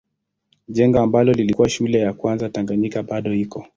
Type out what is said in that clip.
Jengo ambalo lilikuwa shule ya kwanza Tanganyika bado iko.